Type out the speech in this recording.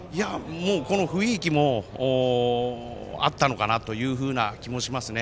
この雰囲気もあったのかなという気もしますね。